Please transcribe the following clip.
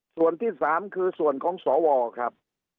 ส่วนที่๓คือส่วนของสวครับ